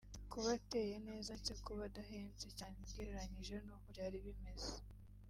kuba ateye neza ndetse no kuba adahenze cyane ugereranyije nuko byari bimeze